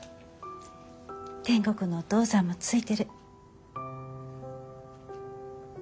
天国のお父さんもついてる。